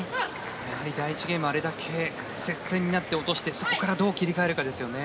やはり第１ゲームをあれだけ接戦になって落としてそこからどう切り替えるかですよね。